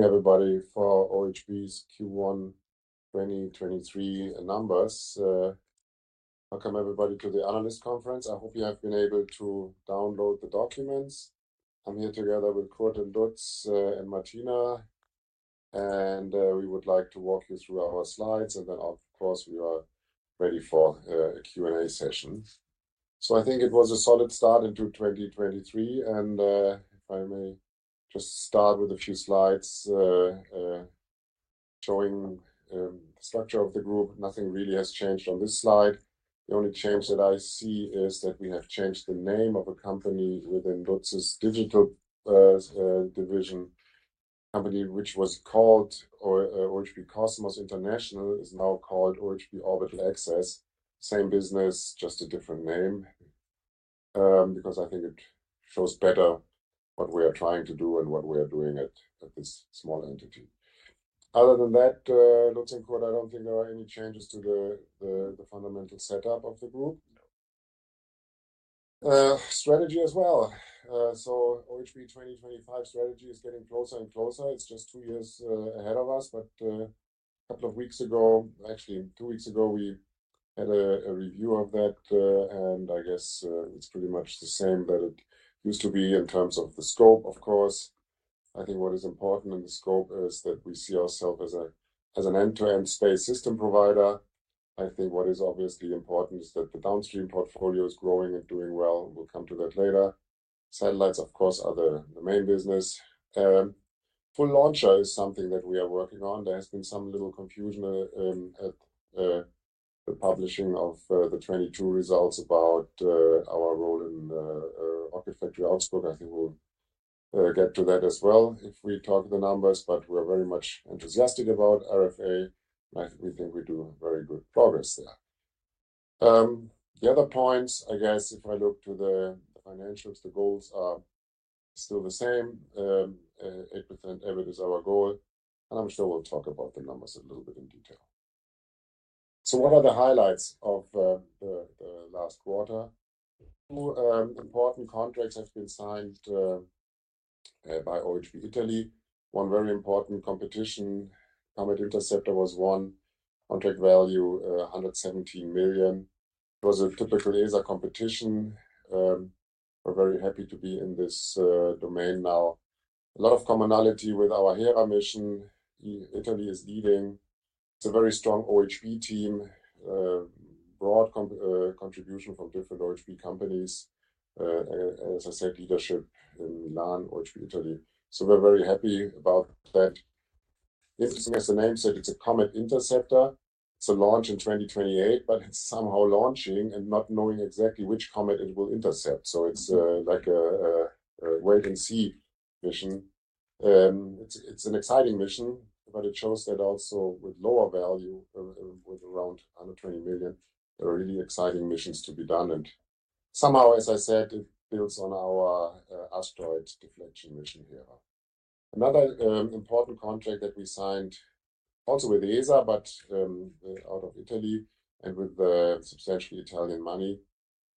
Thank everybody for OHB's Q1 2023 numbers. Welcome everybody to the analyst conference. I hope you have been able to download the documents. I'm here together with Kurt and Lutz, and Martina and we would like to walk you through our slides and then of course, we are ready for a Q&A session. I think it was a solid start into 2023, and if I may just start with a few slides, showing structure of the group. Nothing really has changed on this slide. The only change that I see is that we have changed the name of a company within Lutz's digital division. Company which was called OHB Cosmos International is now called OHB Orbital Access. Same business, just a different name, because I think it shows better what we are trying to do and what we are doing at this small entity. Other than that, Lutz and Kurt, I don't think there are any changes to the fundamental setup of the group. Strategy as well. OHB 2025 strategy is getting closer and closer. It's just two years ahead of us, a couple of weeks ago, actually two weeks ago, we had a review of that, it's pretty much the same that it used to be in terms of the scope, of course. I think what is important in the scope is that we see ourself as an end-to-end space system provider. I think what is obviously important is that the downstream portfolio is growing and doing well. We'll come to that later. Satellites, of course, are the main business. Full launcher is something that we are working on. There has been some little confusion at the publishing of the 22 results about our role in Rocket Factory Augsburg. I think we'll get to that as well if we talk the numbers, but we're very much enthusiastic about RFA, and I think we think we do very good progress there. The other points, I guess if I look to the financials, the goals are still the same. 8% EBIT is our goal, and I'm sure we'll talk about the numbers a little bit in detail. What are the highlights of the last quarter? Two important contracts have been signed by OHB Italia. One very important competition, Comet Interceptor, was won. Contract value, 117 million. It was a typical ESA competition. We're very happy to be in this domain now. A lot of commonality with our Hera mission, Italia is leading. It's a very strong OHB team. broad contribution from different OHB companies. As I said, leadership in Milan, OHB Italia, so we're very happy about that. Interesting, as the name said, it's a Comet Interceptor. It's a launch in 2028, but it's somehow launching and not knowing exactly which comet it will intercept, so it's like a wait and see mission. It's an exciting mission, but it shows that also with lower value, with around 120 million, there are really exciting missions to be done. Somehow, as I said, it builds on our asteroid deflection mission here. Another important contract that we signed also with ESA, but out of Italy and with substantial Italian money,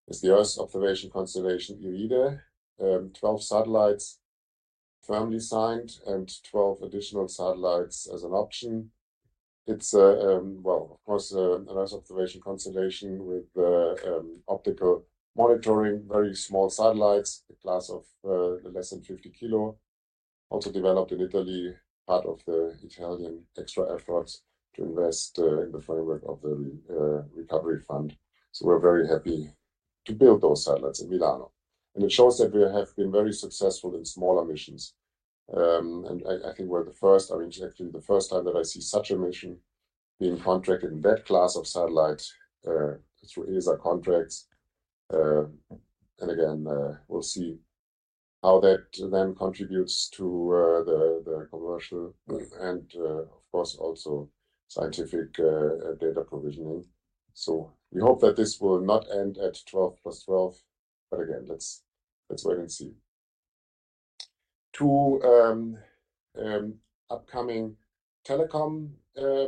is the Earth Observation constellation, IRIDE. 12 satellites firmly signed and 12 additional satellites as an option. It's, well, of course, an Earth observation constellation with optical monitoring, very small satellites, a class of less than 50 kilo, also developed in Italy, part of the Italian extra efforts to invest in the framework of the recovery fund. We're very happy to build those satellites in Milano. It shows that we have been very successful in smaller missions. I think we're the first, I mean, actually the first time that I see such a mission being contracted in that class of satellite through ESA contracts. Again, we'll see how that then contributes to the commercial and, of course, also scientific data provisioning. We hope that this will not end at 12 plus 12. Again, let's wait and see. Two upcoming telecom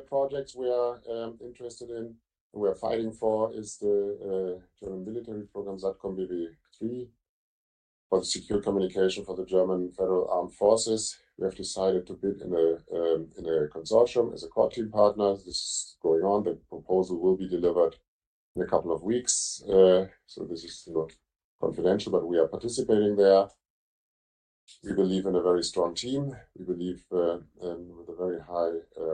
projects we are interested in and we are fighting for is the German military program, SATCOMBw 3 for the secure communication for the German Federal Armed Forces. We have decided to bid in a consortium as a core team partner. This is going on. The proposal will be delivered in a couple of weeks. This is still confidential, but we are participating there. We believe in a very strong team. We believe with a very high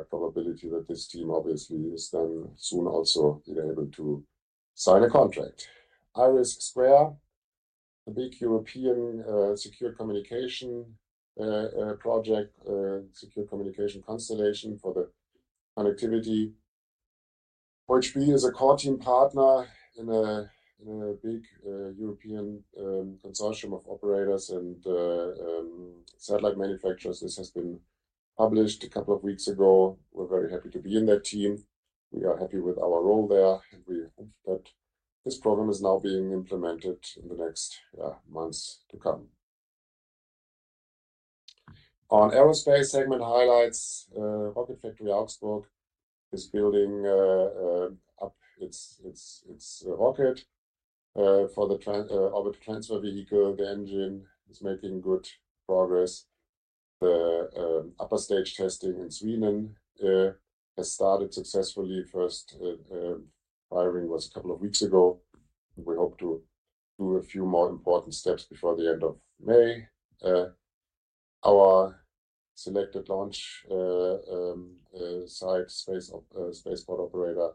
probability that this team obviously is then soon also able to sign a contract. IRIS², a big European secure communication project, secure communication constellation for the connectivity. OHB is a core team partner in a big European consortium of operators and satellite manufacturers. This has been published a couple of weeks ago. We're very happy to be in that team. We are happy with our role there. We hope that this program is now being implemented in the next months to come. On aerospace segment highlights, Rocket Factory Augsburg is building up its rocket for the orbit transfer vehicle, the engine is making good progress. The upper stage testing in Sweden has started successfully. First firing was a couple of weeks ago. We hope to do a few more important steps before the end of May. Our selected launch site spaceport operator,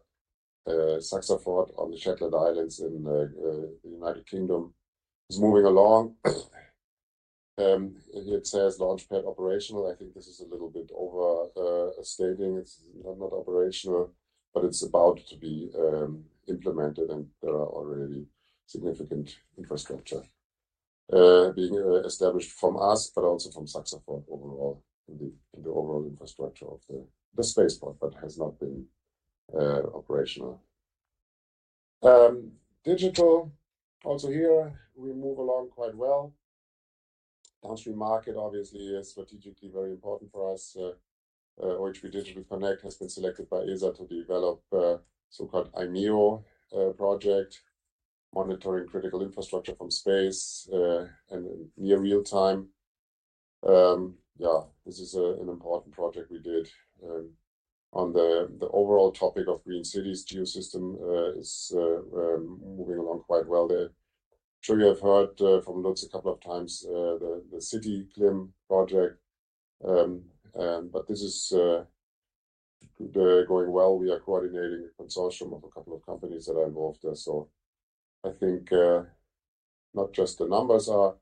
SaxaVord on the Shetland Islands in United Kingdom is moving along. Here it says launchpad operational. I think this is a little bit over stating. It's not operational, but it's about to be implemented, and there are already significant infrastructure being established from us, but also from SaxaVord overall, in the overall infrastructure of the spaceport, but has not been operational. Digital, also here we move along quite well. Downstream market obviously is strategically very important for us. OHB Digital Connect has been selected by ESA to develop so-called IMEO project, monitoring critical infrastructure from space and near real time. Yeah, this is an important project we did. On the overall topic of green cities, GEOSYSTEMS GmbH is moving along quite well there. I'm sure you have heard from Lutz a couple of times, the CityCLIM project. This is going well. We are coordinating a consortium of a couple of companies that are involved there. I think not just the numbers are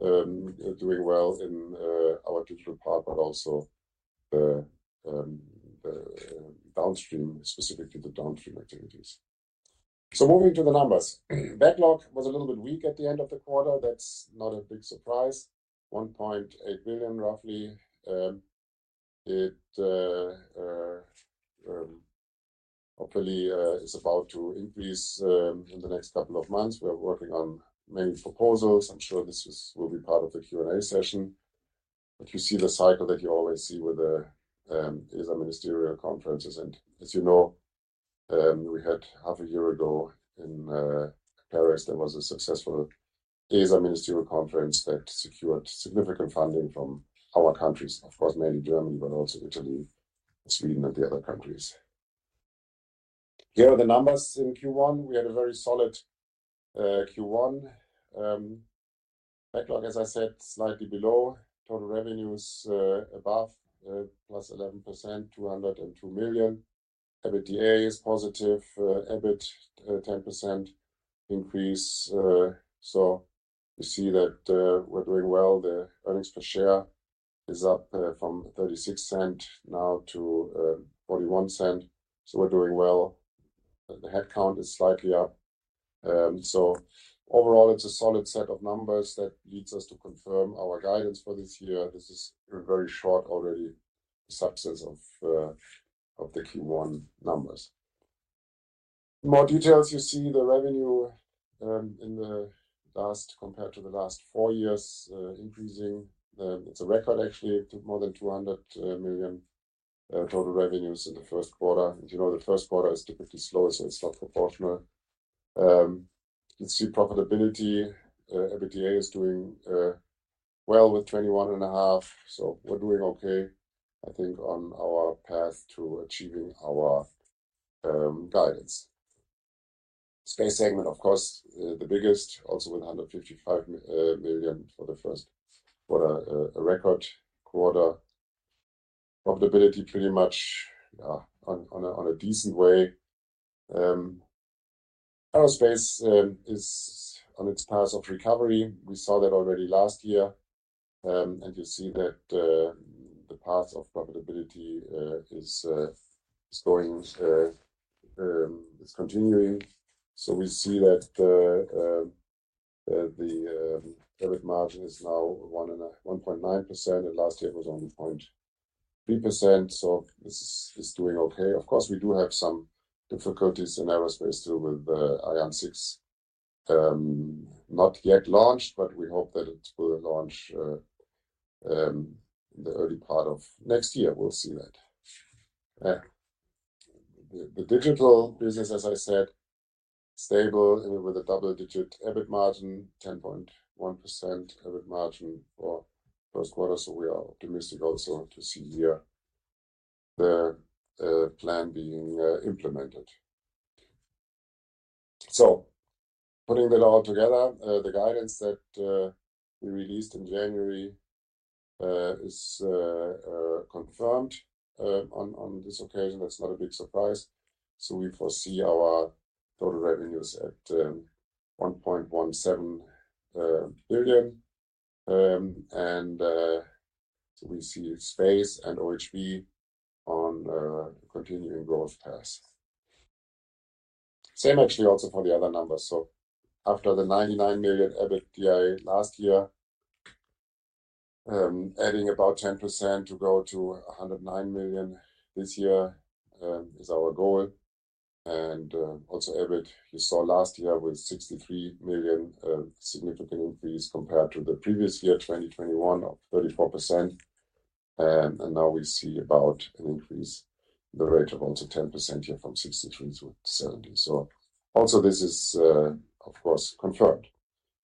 doing well in our digital part, but also the downstream, specifically the downstream activities. Moving to the numbers. Backlog was a little bit weak at the end of the quarter. That's not a big surprise. 1.8 billion, roughly. It hopefully is about to increase in the next couple of months. We are working on many proposals. I'm sure this will be part of the Q&A session. You see the cycle that you always see with the ESA ministerial conferences. As you know, we had half a year ago in Paris, there was a successful ESA ministerial conference that secured significant funding from our countries. Of course, mainly Germany, but also Italy, Sweden, and the other countries. Here are the numbers in Q1. We had a very solid Q1. Backlog, as I said, slightly below. Total revenues plus 11%, 202 million. EBITDA is positive. EBIT 10% increase. You see that we're doing well. The earnings per share is up from 0.36 now to 0.41. We're doing well. The headcount is slightly up. Overall, it's a solid set of numbers that leads us to confirm our guidance for this year. This is a very short, already success of the Q1 numbers. In more details, you see the revenue in the last, compared to the last four years, increasing. It's a record actually. It took more than 200 million total revenues in the first quarter. You know the first quarter is typically slower, so it's not proportional. You see profitability. EBITDA is doing well with 21.5 million, so we're doing okay, I think, on our path to achieving our guidance. Space segment, of course, the biggest, also with 155 million for the first quarter. A record quarter. Profitability pretty much on a decent way. Aerospace is on its path of recovery. We saw that already last year. You see that the path of profitability is going, is continuing. We see that the EBIT margin is now 1.9%, and last year it was only 0.3%. This is doing okay. Of course, we do have some difficulties in aerospace too with Ariane 6 not yet launched, but we hope that it will launch in the early part of next year. We'll see that. The digital business, as I said, stable with a double-digit EBIT margin, 10.1% EBIT margin for first quarter. We are optimistic also to see here the plan being implemented. Putting that all together, the guidance that we released in January is confirmed on this occasion. That's not a big surprise. we foresee our total revenues at 1.17 billion. we see space and OHB on a continuing growth path. Same actually also for the other numbers. after the 99 million EBITDA last year, adding about 10% to go to 109 million this year, is our goal. also EBIT you saw last year with 63 million, a significant increase compared to the previous year, 2021, of 34%. Now we see about an increase in the rate of only 10% here from 63 million-70 million. also this is, of course, confirmed.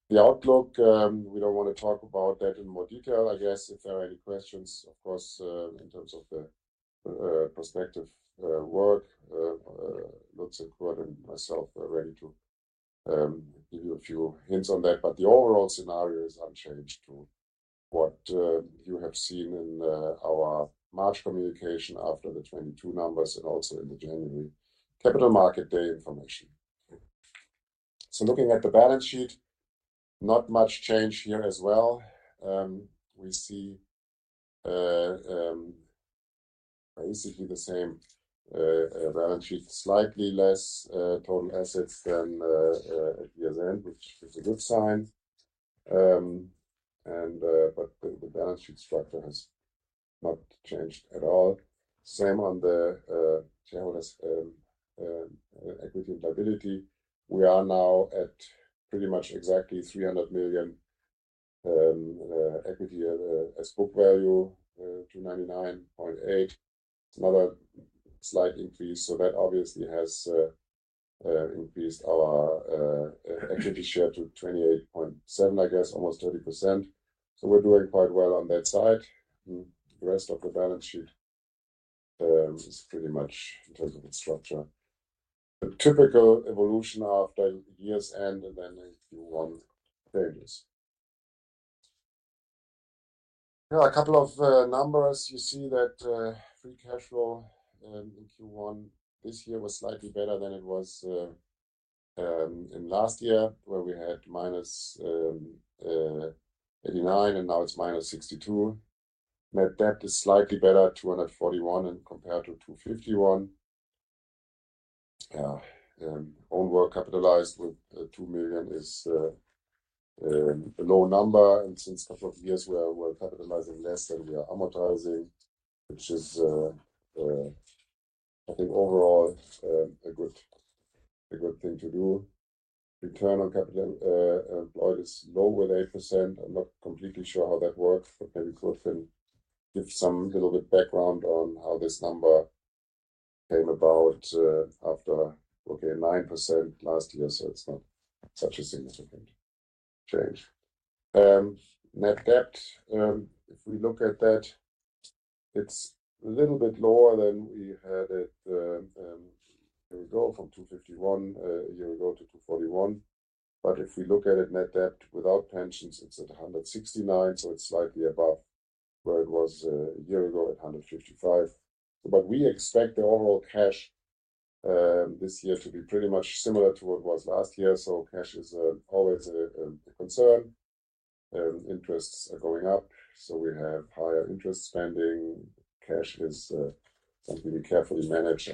The outlook, we don't wanna talk about that in more detail. I guess if there are any questions, of course, in terms of the prospective work, Lutz and Kurt and myself are ready to give you a few hints on that. The overall scenario is unchanged to what you have seen in our March communication after the 22 numbers and also in the January capital market day information. Looking at the balance sheet, not much change here as well. We see basically the same balance sheet, slightly less total assets than at year's end, which is a good sign. The balance sheet structure has not changed at all. Same on the shareholders equity and liability. We are now at pretty much exactly 300 million equity as book value, 299.8. It's another slight increase, that obviously has increased our equity share to 28.7, I guess, almost 30%. We're doing quite well on that side. The rest of the balance sheet is pretty much in terms of its structure. The typical evolution after year's end and then in Q1 failures. Yeah, a couple of numbers. You see that free cash flow in Q1 this year was slightly better than it was in last year, where we had -89, and now it's -62. Net debt is slightly better at 241 and compared to 251. Yeah, own work capitalized with 2 million is a low number. Since couple of years, we're capitalizing less than we are amortizing, which is, I think overall, a good thing to do. Return on capital employed is low with 8%. I'm not completely sure how that works. Maybe Kurt can give some little bit background on how this number came about after, okay, 9% last year. It's not such a significant change. Net debt, if we look at that, it's a little bit lower than we had it a year ago from 251 a year ago to 241. If we look at it, net debt without pensions, it's at 169, so it's slightly above where it was a year ago at 155. We expect the overall cash this year to be pretty much similar to what it was last year. Cash is always a concern. Interests are going up, so we have higher interest spending. Cash is something we carefully manage.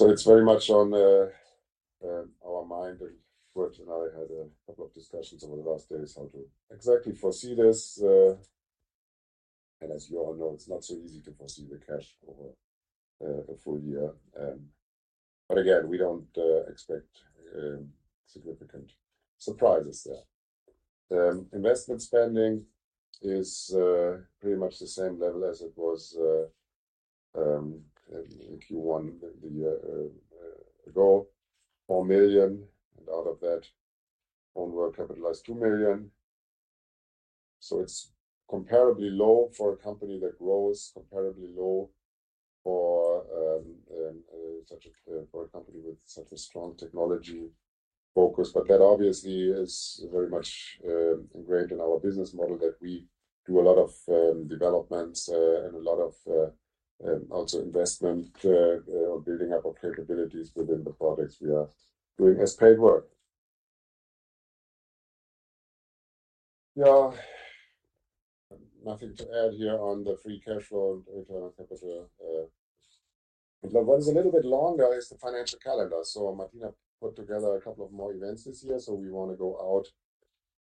It's very much on our mind, and Kurt and I had a couple of discussions over the last days how to exactly foresee this. As you all know, it's not so easy to foresee the cash over a full year. Again, we don't expect significant surprises there. Investment spending is pretty much the same level as it was in Q1 ago, 4 million. Out of that, own work capitalized 2 million. It's comparably low for a company that grows, comparably low for a company with such a strong technology focus. That obviously is very much ingrained in our business model that we do a lot of developments and a lot of also investment building up our capabilities within the products we are doing as paid work. Yeah. Nothing to add here on the free cash flow and return on capital. What is a little bit longer is the financial calendar. Martina put together a couple of more events this year, so we wanna go out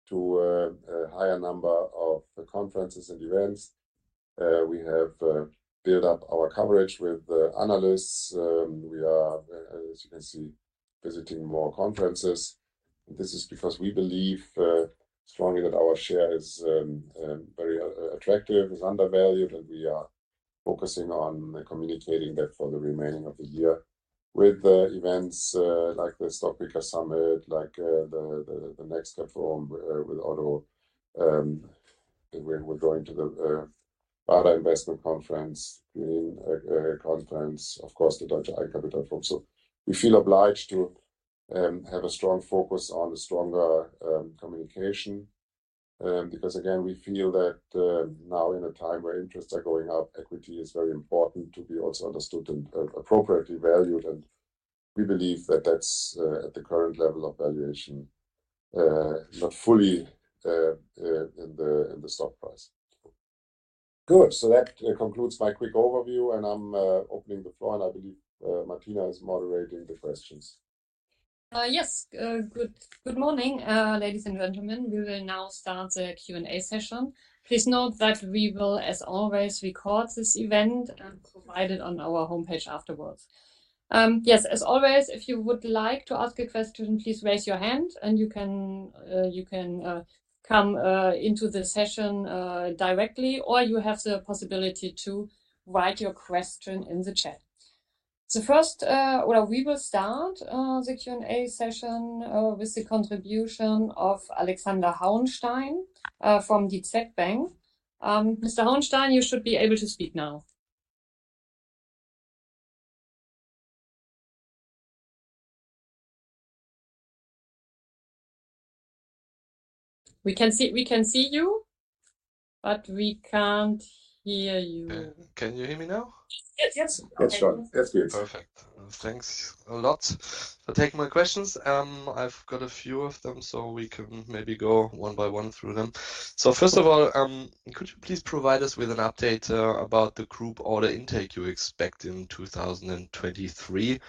to a higher number of conferences and events. We have built up our coverage with analysts. We are, as you can see, visiting more conferences. This is because we believe strongly that our share is very attractive, is undervalued, and we are focusing on communicating that for the remaining of the year with events like the Stockpicker Summit, like the Next Platform with Otto. When we're going to the Baader Investment Conference, Green Conference, of course, the Deutsches Eigenkapitalforum. We feel obliged to have a strong focus on a stronger communication because again, we feel that now in a time where interests are going up, equity is very important to be also understood and appropriately valued. We believe that that's at the current level of valuation not fully in the stock price. Good. That concludes my quick overview, and I'm opening the floor, and I believe Martina is moderating the questions. Yes. Good morning, ladies and gentlemen. We will now start the Q&A session. Please note that we will, as always, record this event and provide it on our homepage afterwards. Yes, as always, if you would like to ask a question, please raise your hand and you can come into the session directly, or you have the possibility to write your question in the chat. First, or we will start the Q&A session with the contribution of Alexander Hauenstein from DZ BANK. Mr. Hauenstein, you should be able to speak now. We can see you, but we can't hear you. Can you hear me now? Yes. Yes, sure. Yes, we can. Perfect. Thanks a lot for taking my questions. I've got a few of them, so we can maybe go 1 by 1 through them. First of all, could you please provide us with an update about the group order intake you expect in 2023?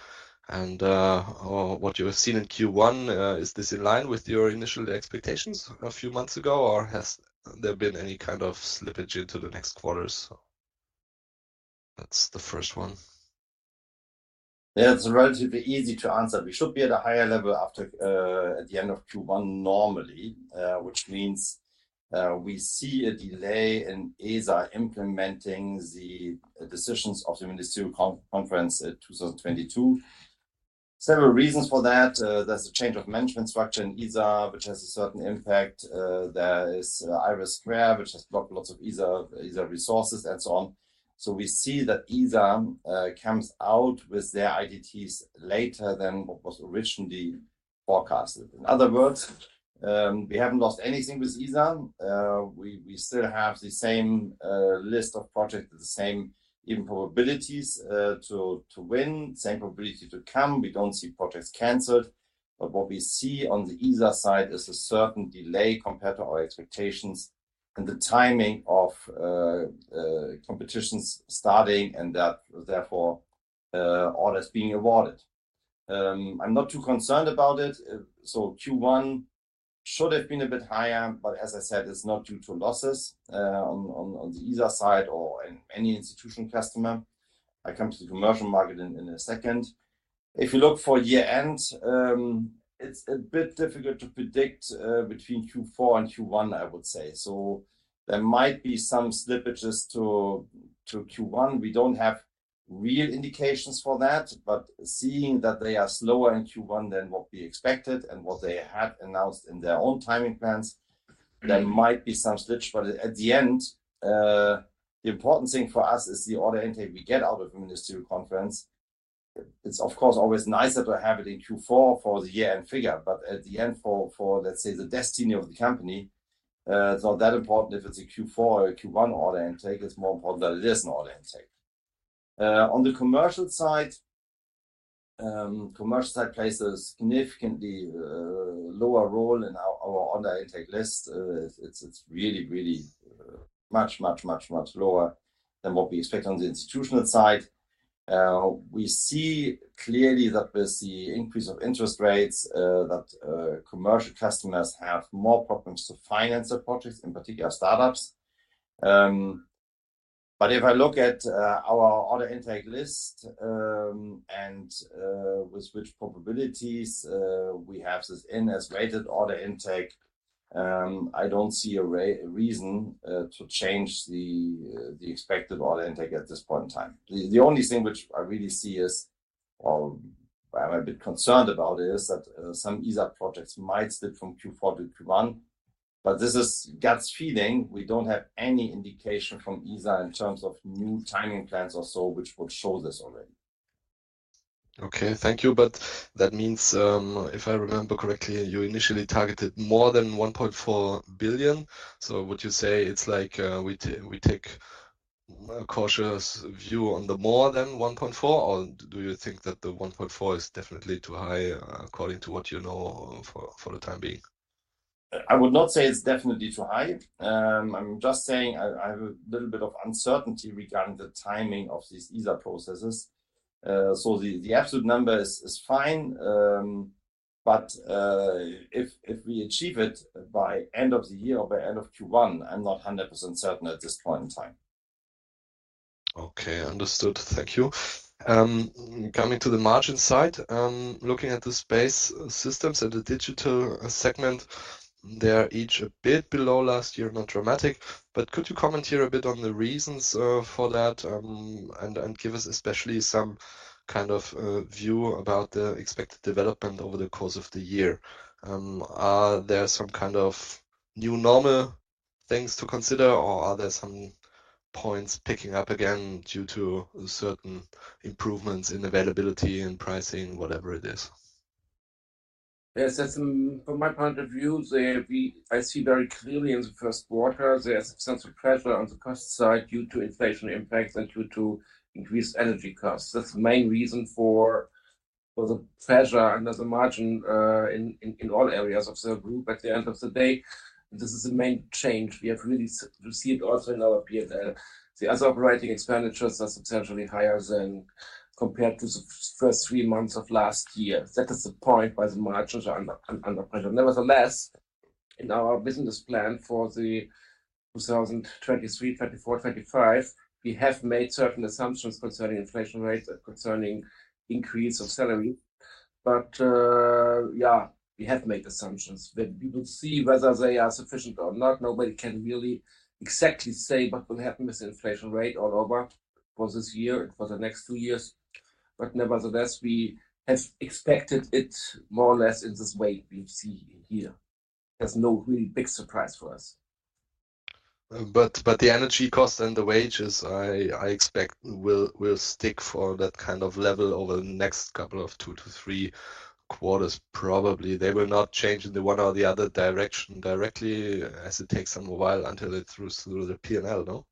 What you have seen in Q1, is this in line with your initial expectations a few months ago, or has there been any kind of slippage into the next quarters? That's the first one. It's relatively easy to answer. We should be at a higher level after at the end of Q1 normally, which means we see a delay in ESA implementing the decisions of the Ministerial Conference in 2022. Several reasons for that. There's a change of management structure in ESA, which has a certain impact. There is IRIS², which has blocked lots of ESA resources and so on. We see that ESA comes out with their IDTs later than what was originally forecasted. In other words, we haven't lost anything with ESA. We still have the same list of projects, the same even probabilities to win, same probability to come. We don't see projects canceled. What we see on the ESA side is a certain delay compared to our expectations and the timing of competitions starting and that therefore, orders being awarded. I'm not too concerned about it. Q1 should have been a bit higher, but as I said, it's not due to losses on the ESA side or in any institutional customer. I come to the commercial market in a second. If you look for year-end, it's a bit difficult to predict between Q4 and Q1, I would say. There might be some slippages to Q1. We don't have real indications for that. Seeing that they are slower in Q1 than what we expected and what they had announced in their own timing plans, there might be some slippage. At the end, the important thing for us is the order intake we get out of a ministerial conference. It's of course always nicer to have it in Q4 for the year-end figure, at the end for, let's say, the destiny of the company, it's not that important if it's a Q4 or a Q1 order intake. It's more important that it is an order intake. On the commercial side, commercial side plays a significantly lower role in our order intake list. It's really much lower than what we expect on the institutional side. We see clearly that with the increase of interest rates, that commercial customers have more problems to finance their projects, in particular startups. If I look at our order intake list, and with which probabilities we have this in as weighted order intake, I don't see a reason to change the expected order intake at this point in time. The only thing which I really see is, or I'm a bit concerned about, is that some ESA projects might slip from Q4 to Q1, but this is gut feeling. We don't have any indication from ESA in terms of new timing plans or so, which would show this already. Okay. Thank you. That means, if I remember correctly, you initially targeted more than 1.4 billion. Would you say we take a cautious view on the more than 1.4 billion, or do you think that the 1.4 billion is definitely too high according to what you know for the time being? I would not say it's definitely too high. I'm just saying I have a little bit of uncertainty regarding the timing of these ESA processes. The absolute number is fine, but if we achieve it by end of the year or by end of Q1, I'm not 100% certain at this point in time. Okay. Understood. Thank you. Coming to the margin side, looking at the space systems and the digital segment, they are each a bit below last year, not dramatic, but could you comment here a bit on the reasons for that, and give us especially some kind of view about the expected development over the course of the year? Are there some kind of new normal things to consider or are there some points picking up again due to certain improvements in availability and pricing, whatever it is? Yes. As from my point of view, I see very clearly in the first quarter, there's a sense of pressure on the cost side due to inflation impacts and due to increased energy costs. That's the main reason for the pressure under the margin in all areas of the group. At the end of the day, this is the main change. We have really received also in our P&L. The other operating expenditures are substantially higher than compared to the first three months of last year. That is the point where the margins are under pressure. In our business plan for 2023, 2024, 2025, we have made certain assumptions concerning inflation rates, concerning increase of salary. We have made assumptions, but we will see whether they are sufficient or not. Nobody can really exactly say what will happen with the inflation rate all over for this year and for the next two years. Nevertheless, we have expected it more or less in this way we see in here. There's no really big surprise for us. The energy cost and the wages, I expect will stick for that kind of level over the next couple of two to three quarters probably. They will not change in the one or the other direction directly as it takes some while until it throughs through the P&L, no.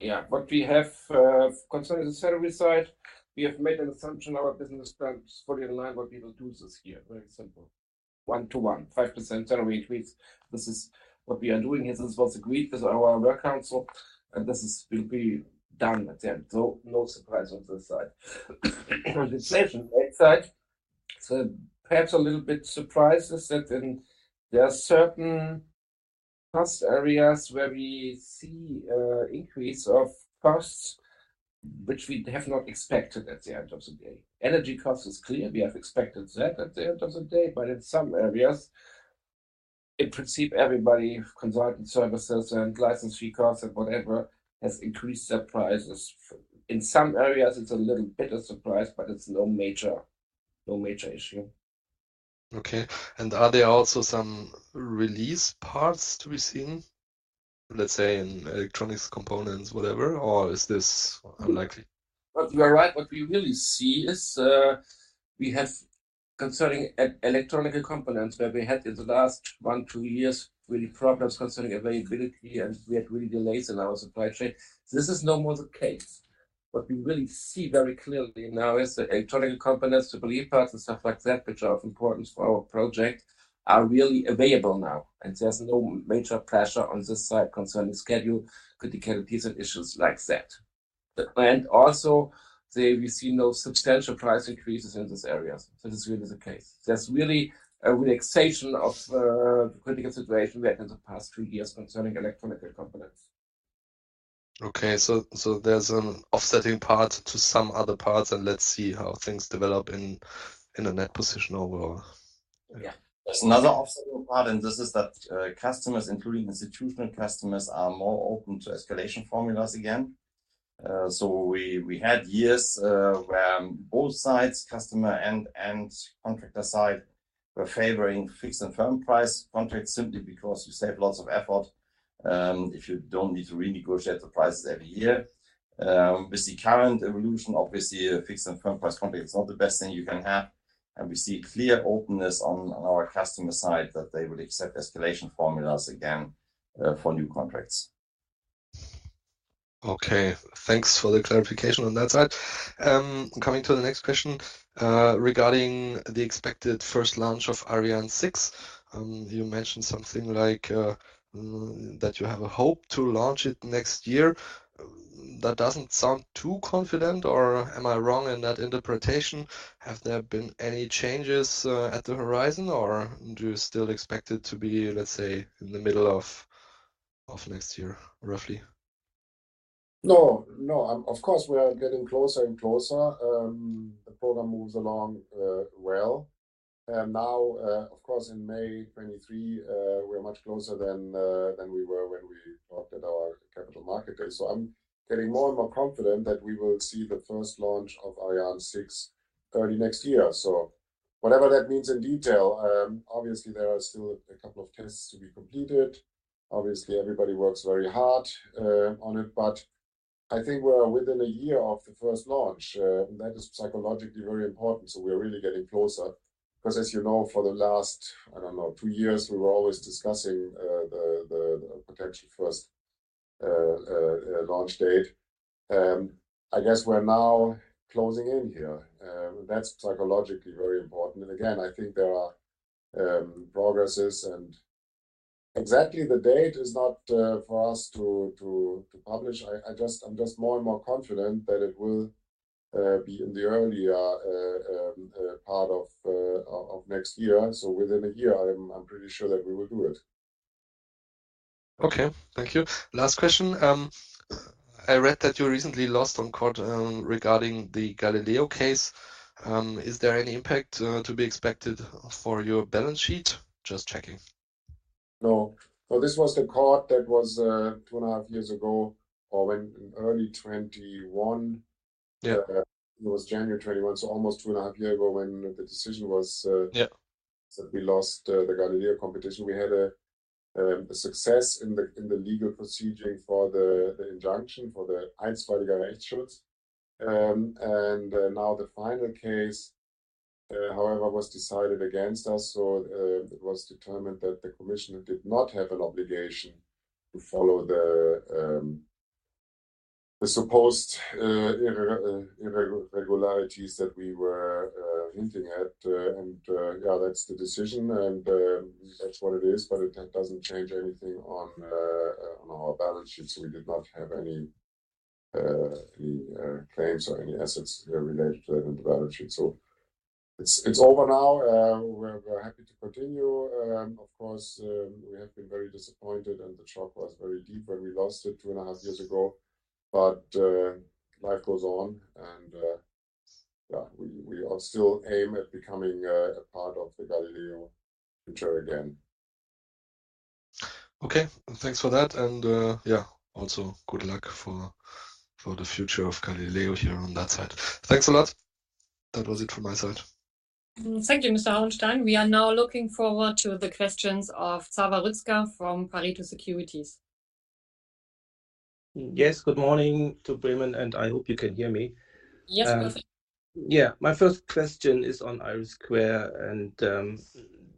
Yeah. What we have, concerning the salary side, we have made an assumption our business plans fully align what we will do this year. Very simple. One-to-one, 5% salary increase. This is what we are doing. This is what agreed with our work council, and this is will be done at the end. No surprise on this side. On the inflation rate side, perhaps a little bit surprise is that in there are certain cost areas where we see, increase of costs, which we have not expected at the end of the day. Energy cost is clear. We have expected that at the end of the day. In some areas, in principle, everybody, consulting services and licensing costs and whatever, has increased their prices. In some areas, it's a little bit of surprise, but it's no major issue. Okay. Are there also some release parts to be seen, let's say, in electronics components, whatever, or is this unlikely? Well, you are right. What we really see is, we have, concerning electronic components where we had in the last one, two years really problems concerning availability, and we had really delays in our supply chain. This is no more the case. What we really see very clearly now is the electronic components, the belief parts and stuff like that, which are of importance for our project, are really available now, and there's no major pressure on this side concerning schedule, criticalities and issues like that. Also there we see no substantial price increases in these areas, so this really is the case. There's really a relaxation of the critical situation we had in the past two years concerning electronic components. Okay. There's an offsetting part to some other parts, and let's see how things develop in the net position overall. Yeah. There's another offsetting part, and this is that customers, including institutional customers, are more open to escalation formulas again. We had years where both sides, customer and contractor side, were favoring fixed and firm price contracts simply because you save lots of effort if you don't need to renegotiate the prices every year. With the current evolution, obviously a fixed and firm price contract is not the best thing you can have, and we see clear openness on our customer side that they will accept escalation formulas again for new contracts. Okay. Thanks for the clarification on that side. Coming to the next question, regarding the expected first launch of Ariane 6, you mentioned something like, that you have a hope to launch it next year. That doesn't sound too confident, or am I wrong in that interpretation? Have there been any changes at the horizon, or do you still expect it to be, let's say, in the middle of next year roughly? No, no. Of course, we are getting closer and closer. The program moves along well. Now, of course, in May 2023, we're much closer than we were when we talked at our capital market day. I'm getting more and more confident that we will see the first launch of Ariane 6 early next year. Whatever that means in detail, obviously there are still a couple of tests to be completed. Obviously, everybody works very hard on it. But I think we're within a year of the first launch, and that is psychologically very important, so we're really getting closer. Because as you know, for the last, I don't know, two years, we were always discussing the potential first launch date. I guess we're now closing in here. That's psychologically very important. I think there are progresses and exactly the date is not for us to publish. I'm just more and more confident that it will be in the earlier part of next year. Within a year I'm pretty sure that we will do it. Okay. Thank you. Last question. I read that you recently lost on court, regarding the Galileo case. Is there any impact, to be expected for your balance sheet? Just checking. This was the court that was two and a half years ago, or when in early 2021. Yeah. It was January 2021, so almost two and a half years ago when the decision was. Yeah that we lost the Galileo competition. We had a success in the legal proceeding for the injunction. Now the final case, however, was decided against us, it was determined that the commissioner did not have an obligation to follow the supposed irregularities that we were hinting at. That's the decision, and that's what it is, but it doesn't change anything on our balance sheets. We did not have any claims or any assets related to that in the balance sheet. It's over now. We're happy to continue. Of course, we have been very disappointed, and the shock was very deep when we lost it two and a half years ago. life goes on, and, yeah, we are still aim at becoming a part of the Galileo future again. Okay. Thanks for that, and, yeah, also good luck for the future of Galileo here on that side. Thanks a lot. That was it from my side. Thank you, Mr. Hauenstein. We are now looking forward to the questions of Zafer Rüzgar from Pareto Securities. Yes, good morning to Bremen, and I hope you can hear me. Yes, perfect. Yeah. My first question is on IRIS² and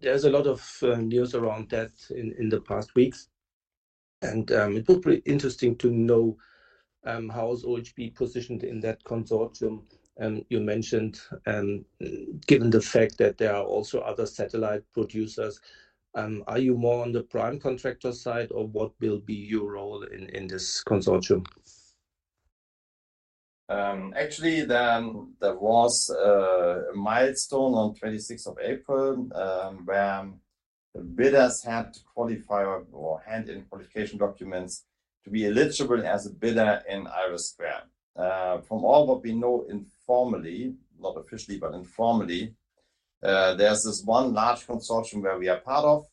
there's a lot of news around that in the past weeks, and it would be interesting to know how is OHB positioned in that consortium. You mentioned, given the fact that there are also other satellite producers, are you more on the prime contractor side, or what will be your role in this consortium? Actually, then there was a milestone on 26th of April, where bidders had to qualify or hand in qualification documents to be eligible as a bidder in IRIS². From all what we know informally, not officially, but informally, there's this one large consortium where we are part of,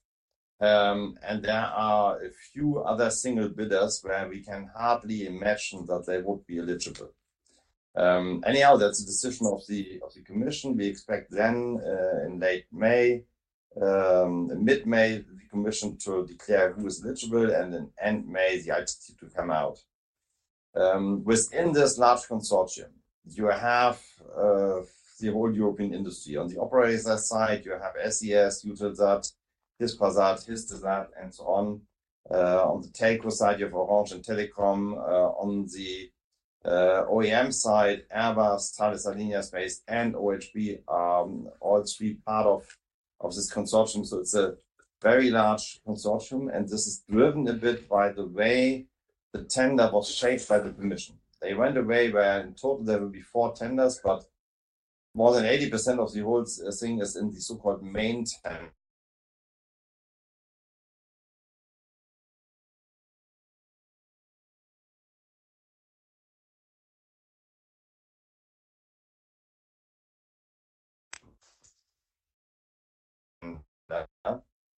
and there are a few other single bidders where we can hardly imagine that they would be eligible. Anyhow, that's the decision of the commission. We expect then in late May, mid-May, the commission to declare who is eligible and then end May, the ITT to come out. Within this large consortium, you have the whole European industry. On the operator side, you have SES, Eutelsat, Hispasat, Hisdesat, and so on. On the telco side, you have Orange and Telecom Italia. On the OEM side, Airbus, Thales Alenia Space and OHB, all three part of this consortium. It's a very large consortium, and this is driven a bit by the way the tender was shaped by the commission. They went a way where in total there will be four tenders, but more than 80% of the whole thing is in the so-called main tender.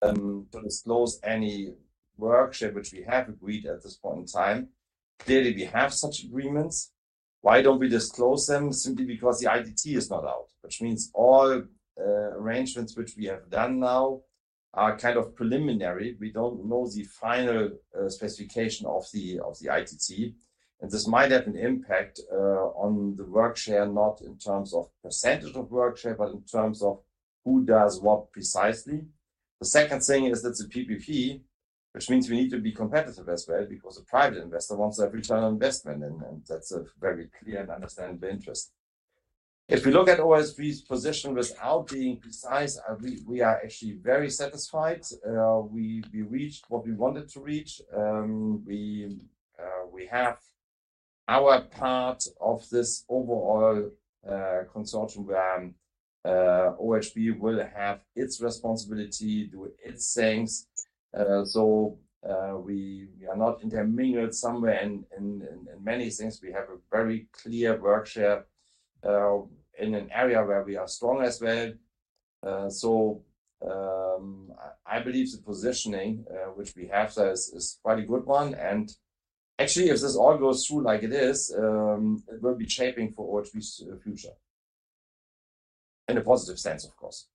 To disclose any work share which we have agreed at this point in time. Clearly, we have such agreements. Why don't we disclose them? Simply because the ITT is not out, which means all arrangements which we have done now are kind of preliminary. We don't know the final specification of the ITT, and this might have an impact on the work share, not in terms of % of work share, but in terms of who does what precisely. The second thing is that it's a PPP, which means we need to be competitive as well because a private investor wants a return on investment and that's a very clear and understandable interest. If we look at OHB's position without being precise, we are actually very satisfied. We reached what we wanted to reach. We have our part of this overall consortium where OHB will have its responsibility, do its things. We are not intermingled somewhere in many things. We have a very clear work share, in an area where we are strong as well. I believe the positioning, which we have there is quite a good one, and actually, if this all goes through like it is, it will be shaping for OHB's future. In a positive sense, of course.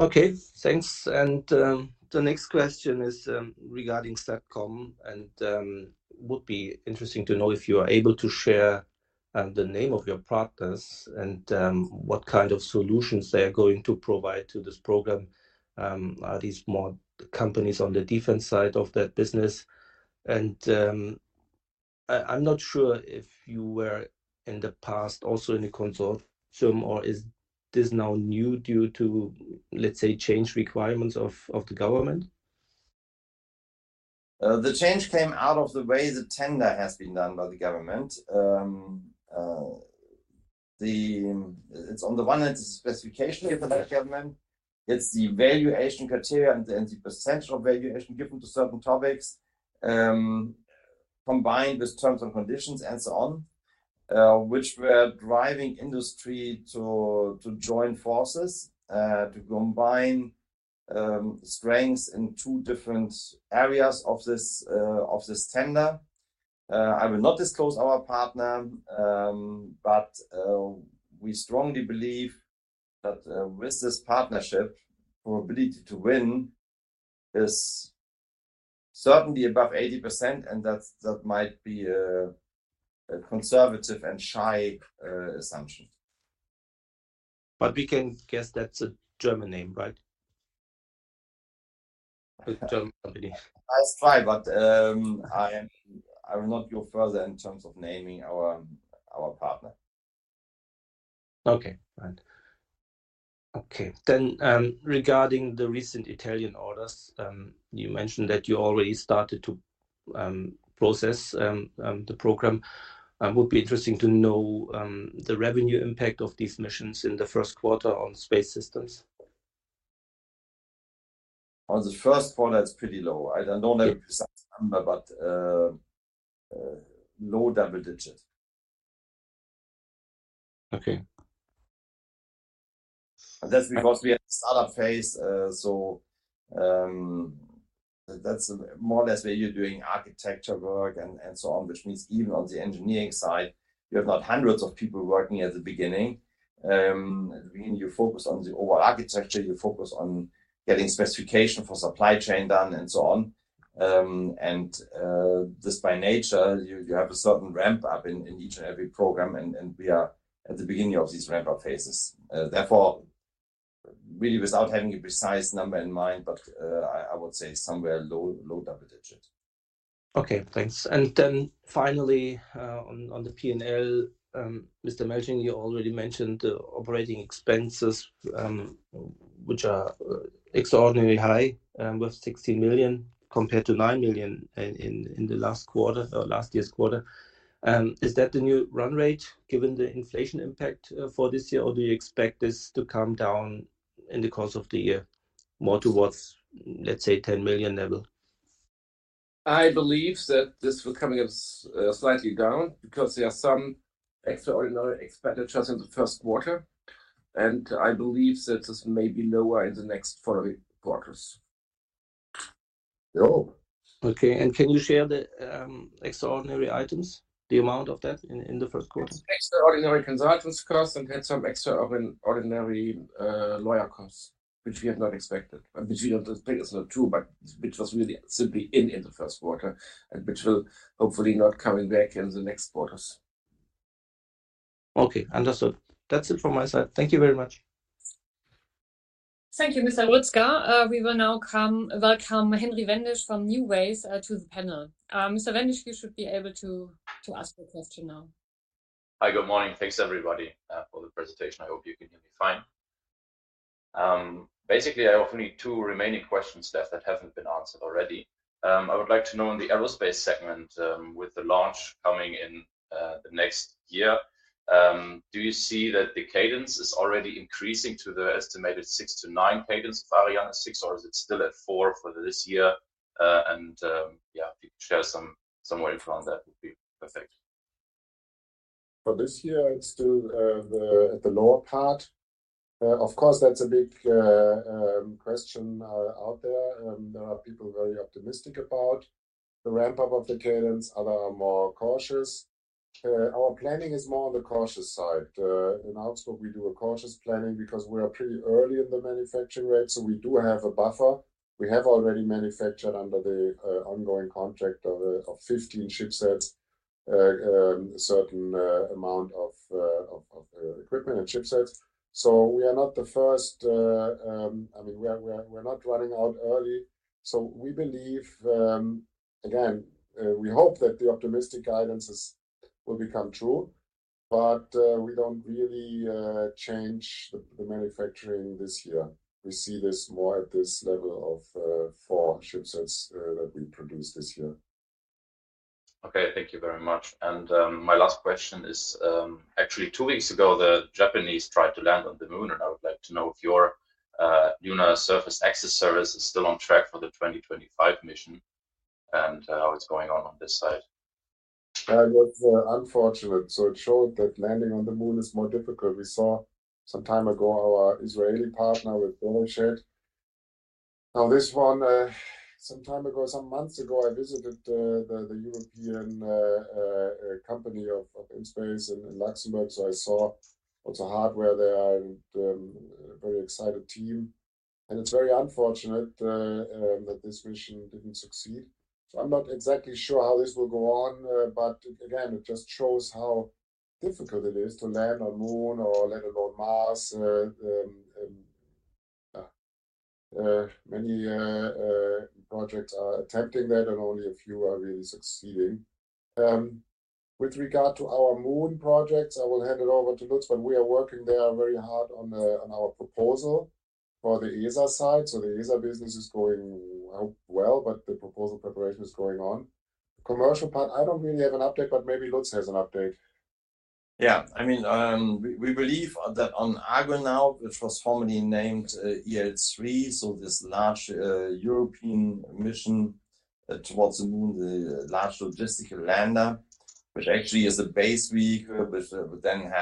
Okay, thanks. The next question is regarding SATCOM, and would be interesting to know if you are able to share the name of your partners and what kind of solutions they are going to provide to this program. Are these more companies on the defense side of that business? I'm not sure if you were in the past also in a consortium, or is this now new due to, let's say, change requirements of the government? The change came out of the way the tender has been done by the government. It's on the one hand, it's the specification given by the government. It's the valuation criteria and then the percentage of valuation given to certain topics, combined with terms and conditions and so on, which were driving industry to join forces, to combine strengths in two different areas of this of this tender. I will not disclose our partner. We strongly believe that with this partnership, probability to win is certainly above 80%, and that might be a conservative and shy assumption. We can guess that's a German name, right? A German company. I'll try, but, I will not go further in terms of naming our partner. Okay. Right. Okay. Regarding the recent Italian orders, you mentioned that you already started to process the program. Would be interesting to know the revenue impact of these missions in the first quarter on space systems. On the first quarter, it's pretty low. I don't know the exact number, but low double digits. Okay. That's because we are at startup phase, so that's more or less where you're doing architecture work and so on, which means even on the engineering side, you have not hundreds of people working at the beginning. In the beginning you focus on the overall architecture, you focus on getting specification for supply chain done and so on. Just by nature, you have a certain ramp up in each and every program and we are at the beginning of these ramp-up phases. Therefore, really without having a precise number in mind, but I would say somewhere low double digit. Okay, thanks. Finally, on the P&L, Mr. Melching, you already mentioned the operating expenses, which are extraordinarily high, with 60 million compared to 9 million in the last quarter or last year's quarter. Is that the new run rate given the inflation impact, for this year, or do you expect this to come down in the course of the year more towards, let's say, 10 million level? I believe that this will coming up slightly down because there are some extraordinary expenditures in the first quarter, and I believe that this may be lower in the next following quarters. Yeah. Okay. Can you share the extraordinary items, the amount of that in the first quarter? Extraordinary consultants costs had some extraordinary lawyer costs, which we had not expected, which we don't think is not true, but which was really simply in the first quarter and which will hopefully not coming back in the next quarters. Okay. Understood. That's it from my side. Thank you very much. Thank you, Mr. Rüzgar. We will now welcome Henry Wendisch from NuWays to the panel. Mr. Wendisch, you should be able to ask your question now. Hi. Good morning. Thanks everybody for the presentation. I hope you can hear me fine. Basically, I have only two remaining questions that haven't been answered already. I would like to know in the aerospace segment, with the launch coming in the next year, do you see that the cadence is already increasing to the estimated six to nine cadence of Ariane 6, or is it still at four for this year? Yeah, if you could share some info on that would be perfect. For this year it's still, the lower part. Of course, that's a big question out there and there are people very optimistic about the ramp-up of the cadence. Other are more cautious. Our planning is more on the cautious side. In Augsburg we do a cautious planning because we are pretty early in the manufacturing rate, so we do have a buffer. We have already manufactured under the ongoing contract of 15 shipsets, a certain amount of equipment and shipsets. We are not the first. I mean, we are, we're not running out early. We believe, again, we hope that the optimistic guidances will become true. We don't really change the manufacturing this year. We see this more at this level of, four shipsets, that we produce this year. Okay. Thank you very much. My last question is, actually two weeks ago, the Japanese tried to land on the moon, and I would like to know if your lunar surface access service is still on track for the 2025 mission and how it's going on on this side? That was unfortunate. It showed that landing on the moon is more difficult. We saw some time ago our Israeli partner with Beresheet. This one, some time ago, some months ago, I visited the European company of ispace-EUROPE in Luxembourg. I saw also hardware there and a very excited team. It's very unfortunate that this mission didn't succeed. I'm not exactly sure how this will go on. Again, it just shows how difficult it is to land on Moon or let alone Mars. Many projects are attempting that and only a few are really succeeding. With regard to our moon projects, I will hand it over to Lutz, we are working there very hard on our proposal for the ESA side. The ESA business is going well, but the proposal preparation is going on. The commercial part, I don't really have an update, but maybe Lutz has an update. Yeah. I mean, we believe that on Argonaut, which was formerly named EL3, so this large European mission towards the moon, the large logistical lander, which actually is a base vehicle, which then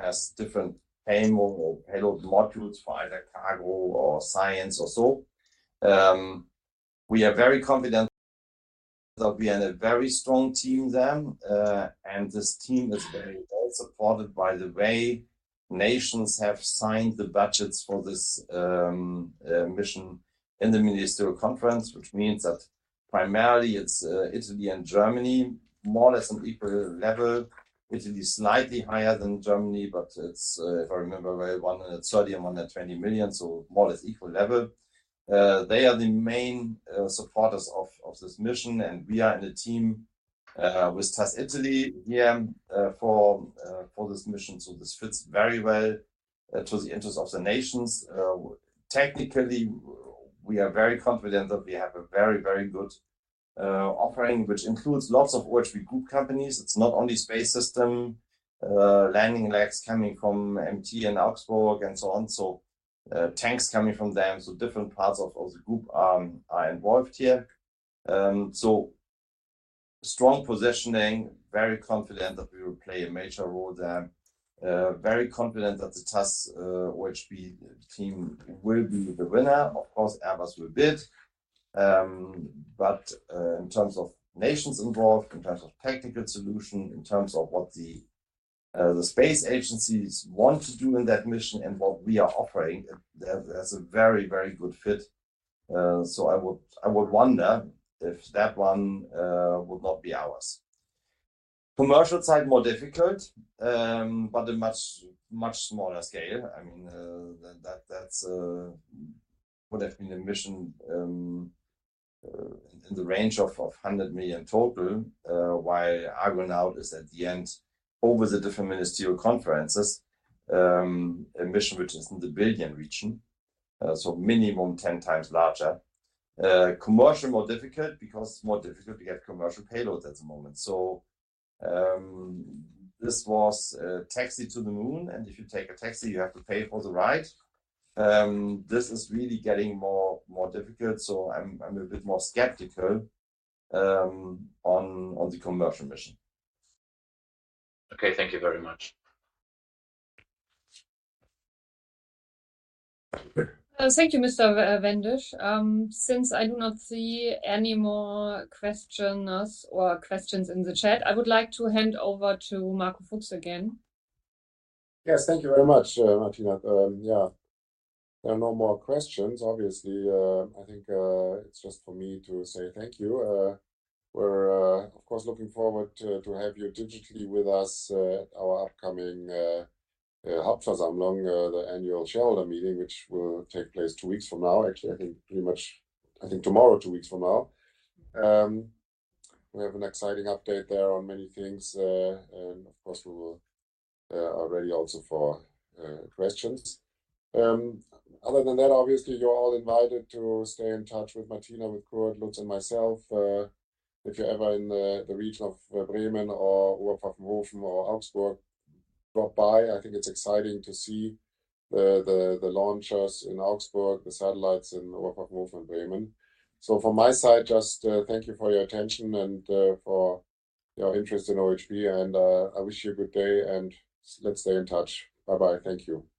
has different payload or payload modules for either cargo or science or so. We are very confident that we have a very strong team then, and this team is very well supported by the way nations have signed the budgets for this mission in the ministerial conference, which means that primarily it's Italy and Germany more or less on equal level. Italy is slightly higher than Germany, but it's, if I remember well, 130 million and 120 million, so more or less equal level. They are the main supporters of this mission. We are in a team with Thales Italy here for this mission. This fits very well to the interest of the nations. Technically we are very confident that we have a very, very good offering, which includes lots of OHB Group companies. It's not only space system, landing legs coming from MT in Augsburg and so on. Tanks coming from them. Different parts of the group are involved here. Strong positioning, very confident that we will play a major role there. Very confident that the TAS OHB team will be the winner. Of course, Airbus will bid. In terms of nations involved, in terms of technical solution, in terms of what the space agencies want to do in that mission and what we are offering, that's a very, very good fit. I would wonder if that one would not be ours. Commercial side, more difficult, but a much, much smaller scale. I mean, that's would have been a mission in the range of 100 million total, while Argonaut is at the end over the different ministerial conferences, a mission which is in the billion region, so minimum 10 times larger. Commercial more difficult because it's more difficult to get commercial payloads at the moment. This was a taxi to the moon, and if you take a taxi, you have to pay for the ride. This is really getting more, more difficult, so I'm a bit more skeptical on the commercial mission. Okay. Thank you very much. Thank you, Mr. Wendisch. Since I do not see any more questioners or questions in the chat, I would like to hand over to Marco Fuchs again. Yes. Thank you very much, Martina. Yeah. There are no more questions, obviously. I think it's just for me to say thank you. We're of course looking forward to have you digitally with us at our upcoming Hauptversammlung, the annual shareholder meeting, which will take place two weeks from now. Actually, I think pretty much, I think tomorrow, two weeks from now. We have an exciting update there on many things, and of course, we will are ready also for questions. Other than that, obviously, you're all invited to stay in touch with Martina, with Kurt Lutz and myself. If you're ever in the region of Bremen or Oberpfaffenhofen or Augsburg, drop by. I think it's exciting to see the launchers in Augsburg, the satellites in Oberpfaffenhofen, Bremen. From my side, just, thank you for your attention and, for your interest in OHB. I wish you a good day, and let's stay in touch. Bye-bye. Thank you.